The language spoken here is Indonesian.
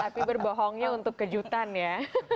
tapi berbohongnya untuk kejutan ya